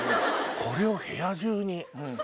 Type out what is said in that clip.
これを部屋中に。